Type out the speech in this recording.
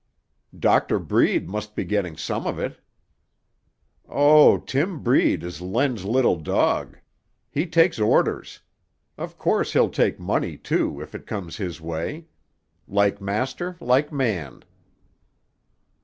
"Doctor Breed must be getting some of it." "Oh, Tim Breed is Len's little dog. He takes orders. Of course he'll take money too, if it comes his way. Like master, like man."